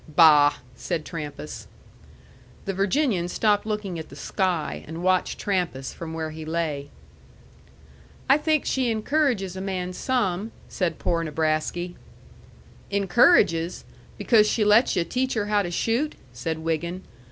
"Bah!" said Trampas. The Virginian stopped looking at the sky, and watched Trampas from where he lay. "I think she encourages a man some," said poor Nebrasky. "Encourages? Because she lets yu' teach her how to shoot," said Wiggin.